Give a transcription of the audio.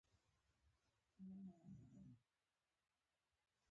ورياده يې کړه چې نور يې په پټيو کې ونه ويني.